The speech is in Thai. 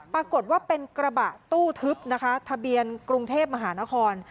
ปรากฏว่าเป็นกระบะตู้ทึบนะคะทะเบียนกรุงเทพมหานคร